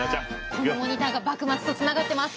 このモニターが幕末とつながってます！